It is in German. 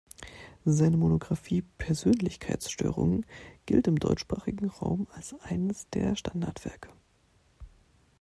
Seine Monografie "Persönlichkeitsstörungen" gilt im deutschsprachigen Raum als eines der Standardwerke.